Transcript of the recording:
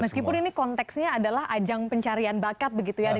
meskipun ini konteksnya adalah ajang pencarian bakat begitu ya